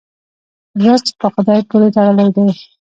رزق په خدای پورې تړلی دی.